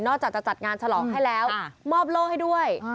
จากจะจัดงานฉลองให้แล้วมอบโล่ให้ด้วย